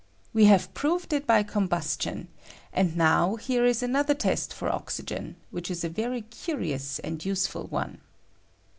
_ We have proved it by combustion ; and now here is another test for oxygen, which is a very curious and useful one.